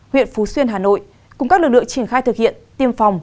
huyện phú xuyên hà nội cùng các lực lượng triển khai thực hiện tiêm phòng